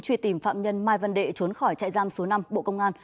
truy tìm phạm nhân mai văn đệ trốn khỏi trại giam số năm bộ công an